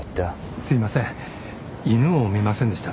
すいません犬を見ませんでした？